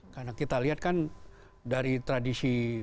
karena kita lihat kan dari tradisi